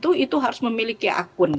untuk memiliki akun